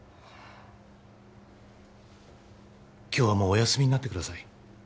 今日はもうお休みになってください